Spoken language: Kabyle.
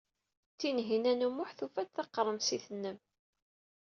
Tinhinan u Muḥ tufa-d taqremsit-nnem.